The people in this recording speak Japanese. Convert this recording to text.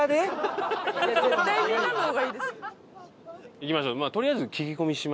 行きましょう。